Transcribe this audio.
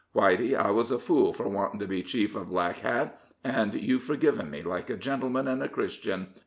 Whitey, I was a fool for wanting to be chief of Black Hat, and you've forgiven me like a gentleman and a Christian.